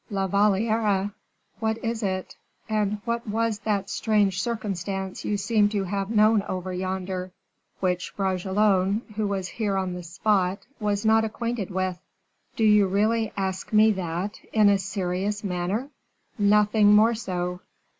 "La Valliere... What is it? and what was that strange circumstance you seem to have known over yonder, which Bragelonne, who was here on the spot, was not acquainted with?" "Do you really ask me that in a serious manner?" "Nothing more so."